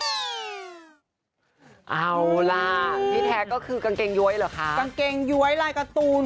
กางเกงย้วยรายการตูน